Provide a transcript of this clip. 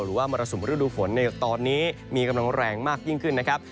มรสุมฤดูฝนในตอนนี้มีกำลังแรงมากยิ่งขึ้นนะครับ